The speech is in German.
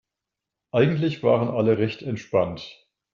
Eigentlich waren alle recht entspannt.